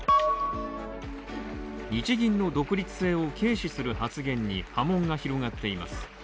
日銀の独立性を軽視する発言に波紋が広がっています。